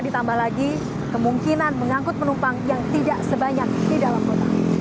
ditambah lagi kemungkinan mengangkut penumpang yang tidak sebanyak di dalam kota